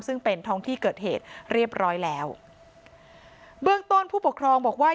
ซึ่งเป็นท้องที่เกิดเหตุเรียบร้อยแล้วเบื้องต้นผู้ปกครองบอกว่า